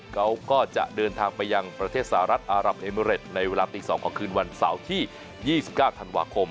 เขาก็จะเดินทางไปยังประเทศสหรัฐอารับเอเมริตในเวลาตี๒ของคืนวันเสาร์ที่๒๙ธันวาคม